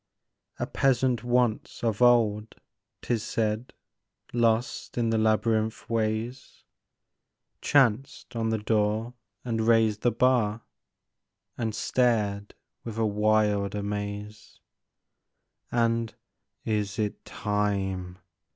" A peasant once of old, 't is said, Lost in the labyrinth ways, HOLGER DANSKE 63 Chanced on the door and raised the bar, And stared with a wild amaze. And, " Is it time?